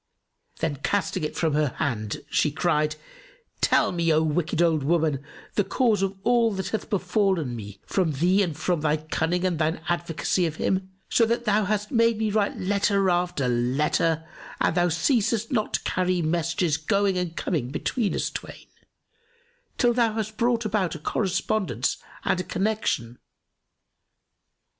Then, casting it from her hand, she cried, "Tell me O wicked old woman, the cause of all that hath befallen me from thee and from thy cunning and thine advocacy of him, so that thou hast made me write letter after letter and thou ceasest not to carry messages, going and coming between us twain, till thou hast brought about a correspondence and a connection.